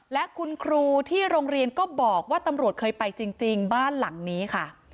และคุณครูที่โรงเรียนก็บอกว่าตำรวจเคยไปจริงบ้านหลังนี้ค่ะ